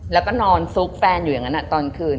แล้วก็นอนซุกแฟนอยู่อย่างนั้นตอนคืน